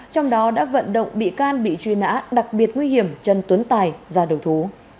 trong đó đã vận động bị can bị truy nã đặc biệt nguy hiểm trần tuấn tài ra đầu thú